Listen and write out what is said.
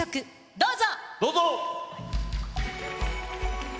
どうぞ。